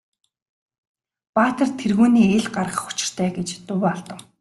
Баатар тэргүүнээ ил гаргах учиртай гэж дуу алдав.